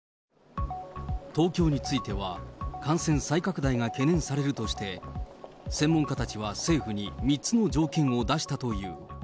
東京については、感染再拡大が懸念されるとして、専門家たちは政府に３つの条件を出したという。